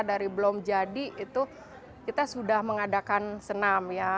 dari belum jadi itu kita sudah mengadakan senam ya